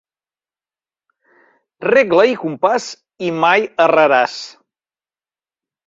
Regla i compàs i mai erraràs.